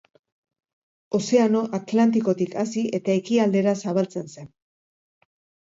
Ozeano Atlantikotik hasi eta ekialdera zabaltzen zen.